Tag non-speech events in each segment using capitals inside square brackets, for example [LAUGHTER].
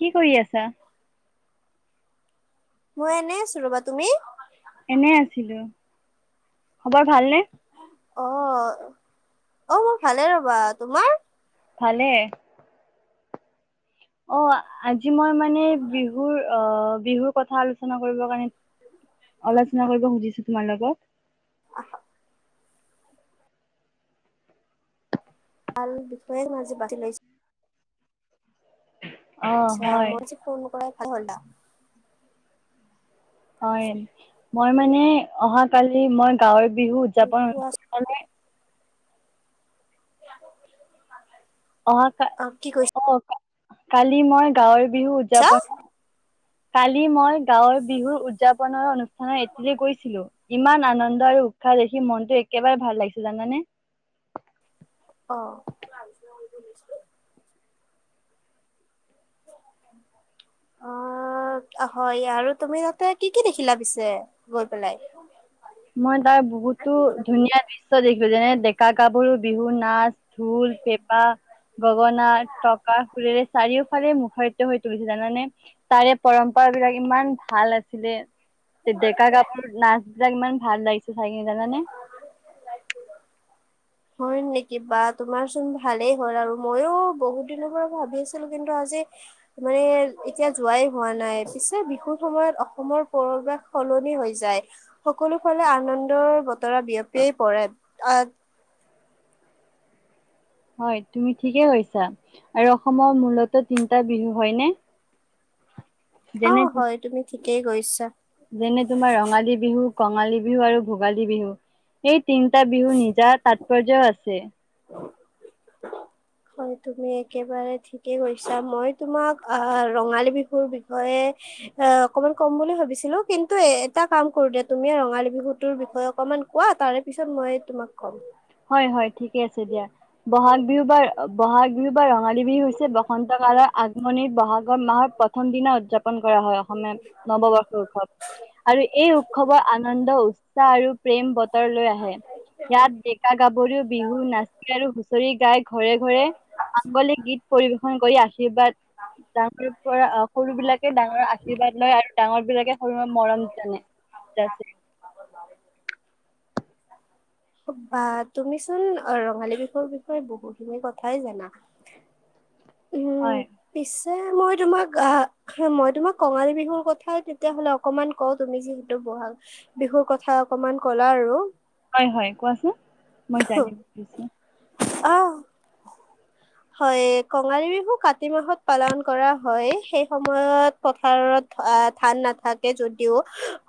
কি কৰি আছা? মই এনেই আছো ৰ'বা, তুমি? এনে আছিলো, খবৰ ভালনে? অ, অ মোক ভালে ৰ'বা, তোমাৰ? ভালে। অ আজি মই মানে বিহুৰ অ বিহুৰ কথা আলোচনা কৰিবৰ কাৰণে আলোচনা কৰিব খুজিছো তোমাৰ লগত। [UNINTELLIGIBLE] ভাল বিষয়ে [UNINTELLIGIBLE] বাছি লৈ অ' আচ্ছা হয়। মই যে ফোন [UNINTELLIGIBLE] হয়, মই মানে অহা কালি মই গাঁওৰ বিহু উদযাপন কোৱা [UNINTELLIGIBLE] অহা কা অ, কি অ কা কালি মই গাঁৱৰ বিহু কৈছা উদযাপন কালি মই গাঁৱৰ বিহুৰ উদযাপনৰ অনু হয় এইটো গৈছিলো, ইমান আনন্দ আৰু উৎসাহ দেখি মনটো একেবাৰে ভাল লাগিছিল জানানে। অ। [INAUDIBLE] অ হয় আৰু তুমি তাতে কি কি দেখিলা পিছে গৈ পেলাই? মই তাৰ বহুতো ধুনীয়া দৃশ্য দেখিলো, যেনে ডেকা গাভৰু বিহু নাচ, ঢোল, পেঁপা, গগনা, টকা ফুৰেৰে চাৰিও ফালে মুখাৰিত হৈ তুলিছিলে জানানে। তাৰে পৰম্পৰা বিলাক ইমান ভাল আছিলে ডেকা-গাভৰু নাচ বিলাক ইমান ভাল লাগিছে চাই কিনে জানানে। [UNINTELLIGIBLE] হয় নেকি বা তোমাৰ চোন ভালেই হ'ল আৰু, মইও বহুত দিনৰ পৰা ভাবি আছিলো কিন্তু আজি মানে এতিয়া যোৱাই হোৱা নাই, পিছে বিহুৰ সময়ত অসমৰ পৰিবাস সলনি হৈ যায়। ফালে আনন্দৰ বতৰত বিয়পিয়ে পৰে আহ হয় তুমি ঠিকে কৈছা। আৰু অসমৰ মূলতো তিনিটা বিহু হয়নে? অ যেনে হয় তুমি ঠিকেই কৈছা। যেনে তোমাৰ ৰঙালী বিহু, কঙালী বিহু আৰু ভোগালী বিহু। সেই তিনিটা বিহু নিজা তাৎপৰ্য্য আছে। হয় তুমি একেবাৰে ঠিক ঠিকে কৈছা। মই তোমাক আহ ৰঙালী বিহুৰ বিষয়ে অ অকনমান কম বুলি ভাবিছিলো কিন্তু এটা কাম কৰো দে তুমি ৰঙালী বিহুতৰ বিষয়ে অকনমান কোৱা। তাৰে পিছত মইয়ে তোমাক ক'ম। হয় হয় ঠিকে আছে দিয়া। বহাগ বিহু বা বহাগ বিহু বা ৰঙালী বিহু হৈছে বসন্ত কালৰ আগমনিত বহাগৰ মাহৰ প্ৰথম দিনা উদযাপন কৰা হয়। নৱবৰ্ষ উৎসৱ। আৰু এই উৎসৱৰ আনন্দ উ উৎসাহ আৰু প্ৰেম বতৰ লৈ আহে। ইয়াত ডেকা গাভৰু বিহু নাচি আৰু হুঁচৰি গাই ঘৰে, ঘৰে মাংগলিক গীত পৰিবেশন কৰি আশীৰ্বাদ ডাঙৰ পৰা সৰু বিলাকে ডাঙৰ আশীৰ্বাদ লয়, আৰু ডাঙৰ বিলাকে সৰুৰ মৰম জানে। [UNINTELLIGIBLE] বা তুমিচোন ৰঙালী বিহুৰ বিষয়ে বহুখিনি কথাই জানা। উম, হয়। পিছে মই তোমাক আ মই তোমাক কঙালী বিহুৰ কথাই তেতিয়াহ'লে অকনমান কঁও, তুমি যিহেতু বহাগ বিহুৰ কথা অকমান ক'লা আৰু। হয়, হয় কোৱাচোন। মই জানি [UNINTELLIGIBLE] অ হয়, কঙালী বিহু কাতি মাহত পালন কৰা হয়। সেই সময়ত পথাৰত আ, ধান নাথাকে যদিও।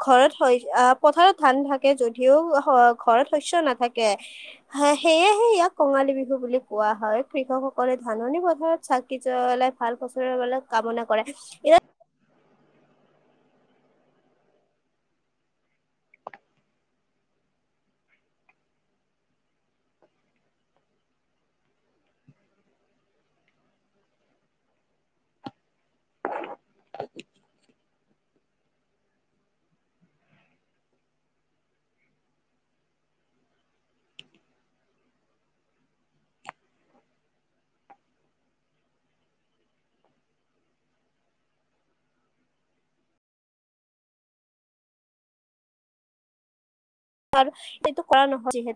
ঘৰত হয় আ, পথাৰত ধান থাক কে যদিও হ, ঘৰত শস্য নাথাকে। হয়, সেয়েহে ইয়াক কঙালী বিহু বুলি কোৱা হয়। কৃষকসক কৰে ধাননি পথাৰত চাকি জ্বলাই ভাল ফচলৰ কাৰণে কামনা কৰে। ইয়া [UNINTELLIGIBLE] আৰু এইটো কৰা নহয় যিহেত